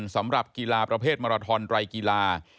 สำหรับกีฬาประเภทมาราทอนไรกีฬา